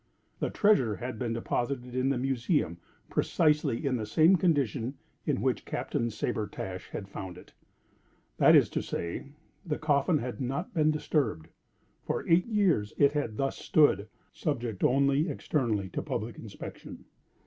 The treasure had been deposited in the Museum precisely in the same condition in which Captain Sabretash had found it—that is to say, the coffin had not been disturbed. For eight years it had thus stood, subject only externally to public inspection.